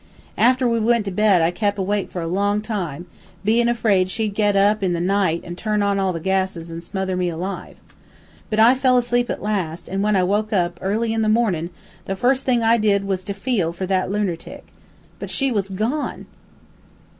After we went to bed I kep' awake for a long time, bein' afraid she'd get up in the night an' turn on all the gases and smother me alive. But I fell asleep at last, an' when I woke up, early in the mornin', the first thing I did was to feel for that lunertic. But she was gone!"